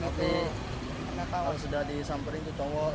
tapi kalau sudah disampering itu cowok